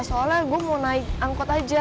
soalnya gue mau naik angkot aja